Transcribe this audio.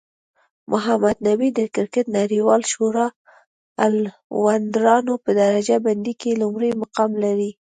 محمد نبي د کرکټ نړیوالی شورا الرونډرانو په درجه بندۍ کې لومړی مقام لري